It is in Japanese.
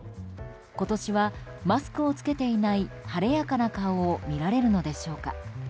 今年はマスクを着けていない晴れやかな顔を見られるのでしょうか。